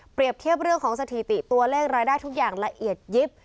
เทียบเรื่องของสถิติตัวเลขรายได้ทุกอย่างละเอียดยิบ